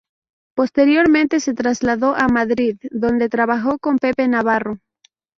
Posteriormente se trasladó a Madrid, donde trabajó con Pepe Navarro.